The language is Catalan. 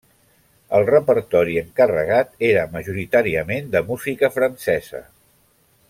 El repertori encarregat era majoritàriament de música francesa.